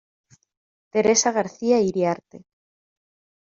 Teresa García Iriarte.